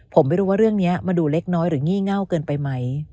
ผมไม่รู้ว่าเรื่องนี้มันดูเล็กน้อยหรืองี่เง่าเกินไปไหม